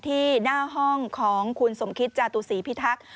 ที่หน้าห้องของคุณสมคิตจาตุศีพิทักษ์